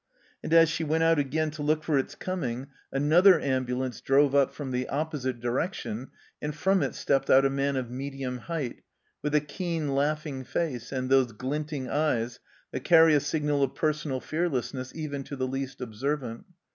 And as she went out again to look for its coming another ON THE ROAD 61 ambulance drove up from the opposite direction, and from it stepped out a man of medium height, with a keen, laughing face and those glinting eyes that carry a signal of personal fearlessness even to the least observant.